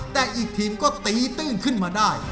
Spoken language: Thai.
แต่อีกทีมก็ตีตื้นขึ้นมาได้